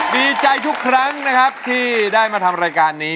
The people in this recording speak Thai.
ดีใจทุกครั้งนะครับที่ได้มาทำรายการนี้